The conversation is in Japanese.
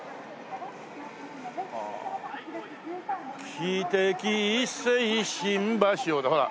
「汽笛一声新橋を」ほら！